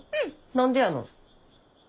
何でやの？